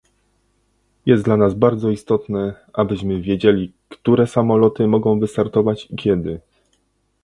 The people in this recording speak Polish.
Jest dla nas bardzo istotne, abyśmy wiedzieli, które samoloty mogą wystartować i kiedy